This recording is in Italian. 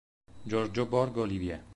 Giorgio Borg Olivier